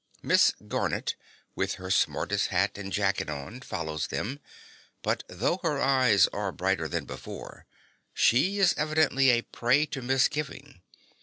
Miss Garnett, with her smartest hat and jacket on, follows them; but though her eyes are brighter than before, she is evidently a prey to misgiving.